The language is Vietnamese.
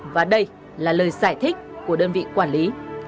và đây là lời giải thích của đơn vị quản lý